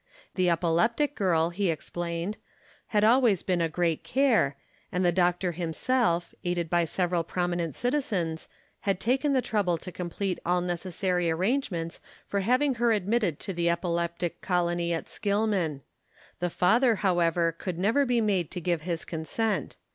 The epileptic girl, he explained, had always been a great care, and the doctor himself, aided by several prominent citizens, had taken the trouble to complete all necessary arrangements for hav ing her admitted to the epileptic colony at Skillman. The father, however, could never be made to give his consent.